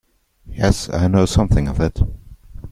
Yes, I know something of it.